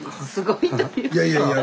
いやいやいや。